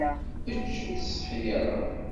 Ečč, ur ttsetḥi ara.